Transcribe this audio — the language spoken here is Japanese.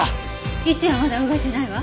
位置はまだ動いてないわ。